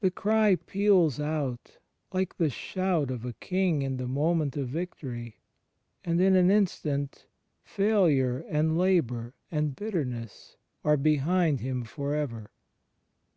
The cry peals out, like the shout of a king in the moment of victory; and, in an instant, failure and labour and bitterness are behind Him for ever.